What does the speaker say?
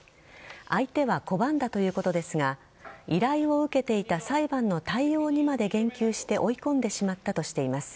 相手は拒んだということですが依頼を受けていた裁判の対応にまで言及して追い込んでしまったとしています。